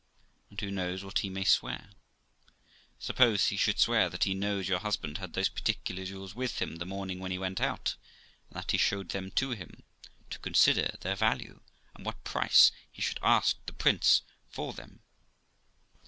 And who knows what he may swear? Suppose he should swear that he knows your husband had those particular jewels with him the morning when he went out, and that he showed them to him, to consider their value and what price he should ask the Prince de for them?'